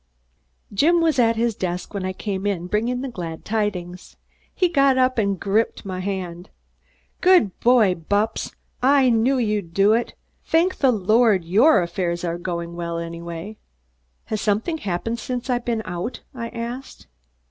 Jim was at his desk when I came in bringing the glad tidings. He got up and gripped my hand. "Good boy, Bupps! I knew you'd do it. Thank the Lord your affairs are going well anyway." "Has something happened since I've been out?" I asked.